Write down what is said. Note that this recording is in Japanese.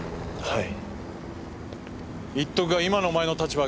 はい。